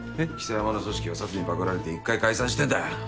象山の組織はサツにパクられて一回解散してんだよ。